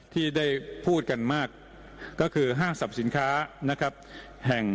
ที่ได้พูดกันมากก็คือห้างสรรพสินค้า